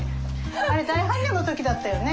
あれ大般若の時だったよね。